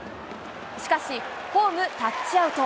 しかし、ホームタッチアウト。